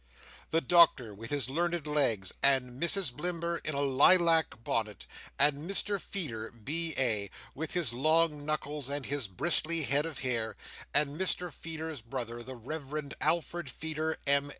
The Doctor with his learned legs, and Mrs Blimber in a lilac bonnet, and Mr Feeder, B.A., with his long knuckles and his bristly head of hair, and Mr Feeder's brother, the Reverend Alfred Feeder, M.